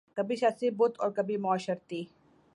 کبھی سیاسی بت اور کبھی معاشرتی